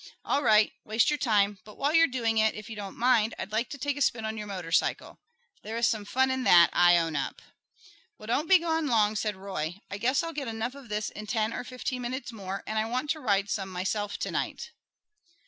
All right, waste your time; but while you're doing it, if you don't mind, I'd like to take a spin on your motorcycle. There is some fun in that, I own up." "Well, don't be gone long," said Roy. "I guess I'll get enough of this in ten or fifteen minutes more, and I want to ride some myself to night."